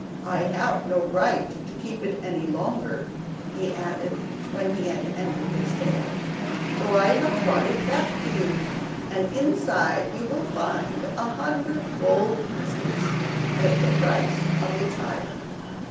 "I have no right to keep it any longer," he added when he had ended his tale, "so I have brought it back to you, and inside you will find a hundred gold pieces as the price of its hire."